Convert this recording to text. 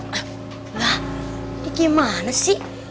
lah ini gimana sih